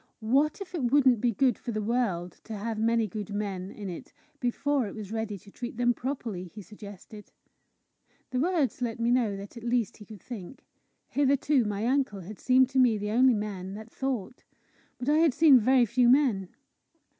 "What if it wouldn't be good for the world to have many good men in it before it was ready to treat them properly?" he suggested. The words let me know that at least he could think. Hitherto my uncle had seemed to me the only man that thought. But I had seen very few men.